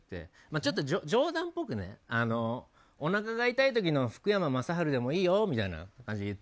ちょっと冗談っぽくおなかが痛い時の福山雅治でもいいよって。